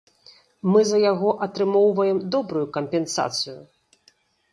Мы за яго атрымоўваем добрую кампенсацыю.